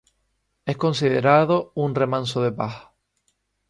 Es considerado un remanso de paz.